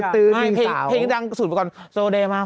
ที่สาวมีเซาดูดดันกว่ามัน